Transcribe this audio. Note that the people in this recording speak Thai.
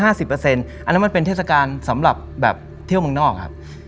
อันนั้นมันเป็นเทศกาลสำหรับเที่ยวบันทรกครับ